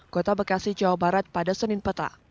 kota bekasi jawa barat pada senin petang